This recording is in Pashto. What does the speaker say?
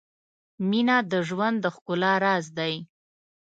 • مینه د ژوند د ښکلا راز دی.